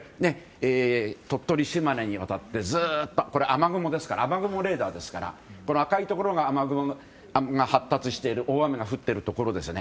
鳥取、島根にわたってずっとこれは雨雲レーダーで赤いところが雨雲が発達している大雨が降っているところです。